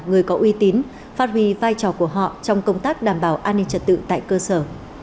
người có uy tín phát huy vai trò của họ trong công tác đảm bảo an ninh trật tự tại cơ sở